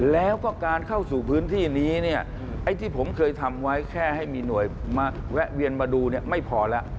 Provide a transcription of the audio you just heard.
แล้วก็การเข้าสู่พื้นที่นี้เนี่ยไอ้ที่ผมเคยทำไว้แค่ให้มีหน่วยมาแวะเวียนมาดูเนี่ยไม่พอแล้ว